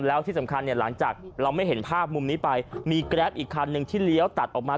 แล้วที่สำคัญเนี่ยหลังจากเราไม่เห็นภาพมุมนี้ไปมีแกรปอีกคันหนึ่งที่เลี้ยวตัดออกมา